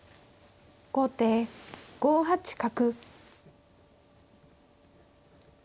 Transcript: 後手５八角。